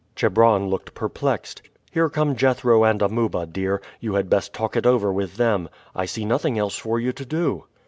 Chebron looked perplexed. "Here come Jethro and Amuba, dear. You had best talk it over with them. I see nothing else for you to do."